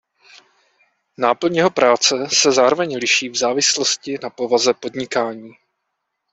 Náplň jeho práce se zároveň liší v závislosti na povaze podnikání.